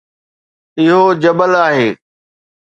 اهو جبل آهي